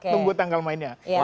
tunggu tanggal mainnya